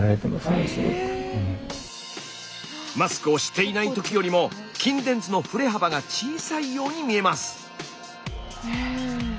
マスクをしていない時よりも筋電図の振れ幅が小さいように見えます。